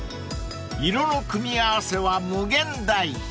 ［色の組み合わせは無限大］